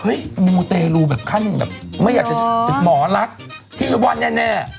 เฮ้ยโมเตลูแบบขั้นแบบไม่อยากจะหมอลักษณ์ที่ว่าแน่แน่